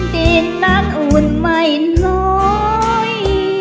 ดินนั้นอุ่นไม่น้อย